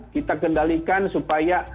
kita kendalikan supaya